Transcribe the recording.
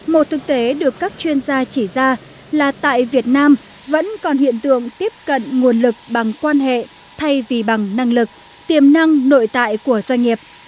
một thực tế được các chuyên gia chỉ ra là tại việt nam vẫn còn hiện tượng tiếp cận nguồn lực bằng quan hệ thay vì bằng năng lực tiềm năng nội tại của doanh nghiệp